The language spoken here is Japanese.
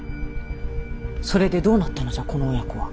それでどうなったのじゃこの親子は。